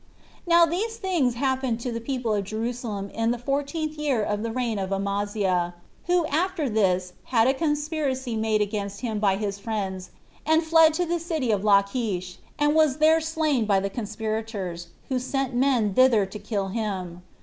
Now these things happened to the people of Jerusalem in the fourteenth year of the reign of Amaziah, who after this had a conspiracy made against him by his friends, and fled to the city Lachish, and was there slain by the conspirators, who sent men thither to kill him.